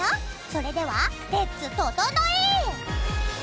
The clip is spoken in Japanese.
それではレッツととのい！